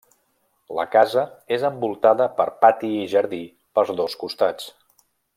La casa és envoltada per pati i jardí per dos costats.